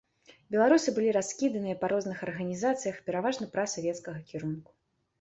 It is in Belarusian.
Беларусы былі раскіданыя па розных арганізацыях, пераважна прасавецкага кірунку.